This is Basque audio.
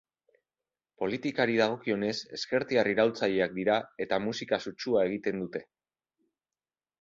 Politikari dagokionez ezkertiar iraultzaileak dira eta musika sutsua egiten dute.